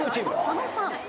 佐野さん。